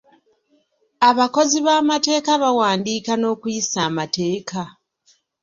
Abakozi b'amateeka bawandiika n'okuyisa amateeka.